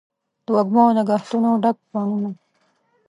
د وږمو او نګهتونو ډک بڼوڼه